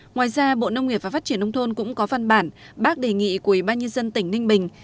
ngoài ra bộ nông nghiệp và phát triển nông thôn cũng có văn bản bác đề nghị của ủy ban nhân dân tỉnh ninh bình